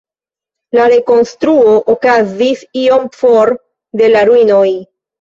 La rekonstruo okazis iom for de la ruinoj.